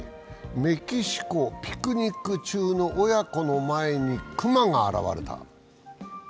メキシコ、ピクニック中の親子の前に熊が現れた。